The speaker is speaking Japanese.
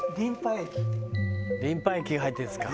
リンパ液が入ってるんですか。